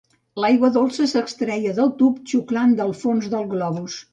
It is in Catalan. L'aigua dolça s'extreia del tub xuclant del fons del globus.